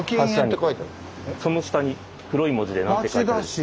その下に黒い文字で何て書いて。